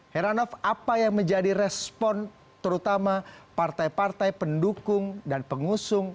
heranov apa yang menjadi respon terutama partai partai pendukung dan pengusung